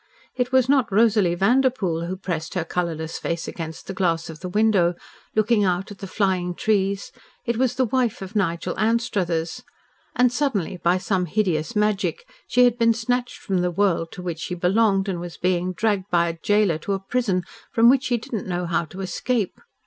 It was not Rosalie Vanderpoel who pressed her colourless face against the glass of the window, looking out at the flying trees; it was the wife of Nigel Anstruthers, and suddenly, by some hideous magic, she had been snatched from the world to which she belonged and was being dragged by a gaoler to a prison from which she did not know how to escape.